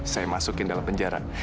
saya masukin dalam penjara